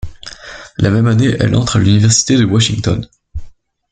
La même année, elle entre à l'Université de Washington.